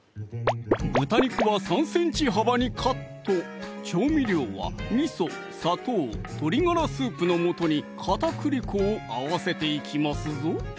豚肉は３ｃｍ幅にカット調味料はみそ・砂糖・鶏ガラスープの素に片栗粉を合わせていきますぞ